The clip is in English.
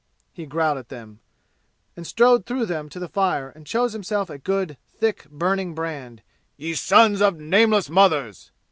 he growled at them, and he strode through them to the fire and chose himself a good, thick burning brand. "Ye sons of nameless mothers!"